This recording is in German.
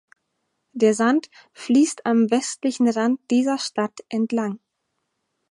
Der Sand fließt am westlichen Rand dieser Stadt entlang.